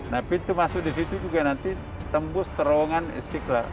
nah pintu masuk di situ juga nanti tembus terowongan istiqlal